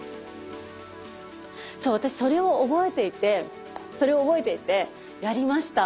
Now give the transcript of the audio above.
そう私それを覚えていてそれを覚えていてやりました。